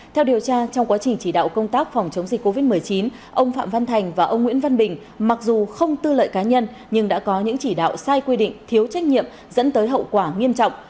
theo điều tra trong quá trình chỉ đạo công tác phòng chống dịch covid một mươi chín ông phạm văn thành và ông nguyễn văn bình mặc dù không tư lợi cá nhân nhưng đã có những chỉ đạo sai quy định thiếu trách nhiệm dẫn tới hậu quả nghiêm trọng